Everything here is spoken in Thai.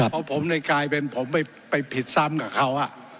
เพราะผมเลยกลายเป็นผมไปผิดซ้ำกับเขา